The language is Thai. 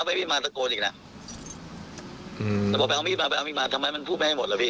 พี่ก็ต่อยพ่อผม